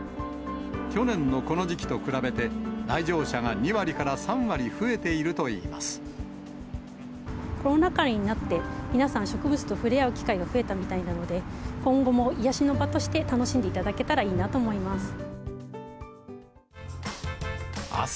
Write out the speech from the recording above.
去年のこの時期と比べて、来場者が２割から３割増えているといいコロナ禍になって、皆さん植物と触れ合う機会が増えたみたいなので、今後も癒やしの場として楽しんでいただけたらいいなと思います。